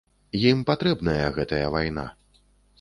Ім патрэбная гэтая вайна.